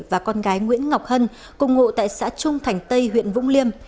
và con gái nguyễn ngọc hân cùng ngụ tại xã trung thành tây huyện vũng liêm